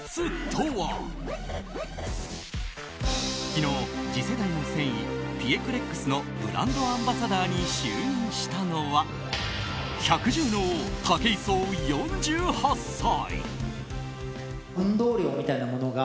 昨日、次世代の繊維ピエクレックスのブランドアンバサダーに就任したのは百獣の王、武井壮４８歳。